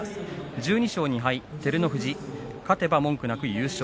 １２勝２敗、照ノ富士勝てば文句なく優勝。